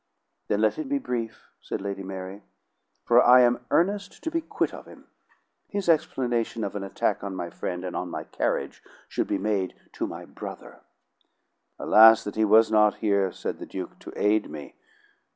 "Then let him be brief," said Lady Mary, "for I am earnest to be quit of him. His explanation or an attack on my friend and on my carriage should be made to my brother." "Alas that he was not here," said the Duke, "to aid me!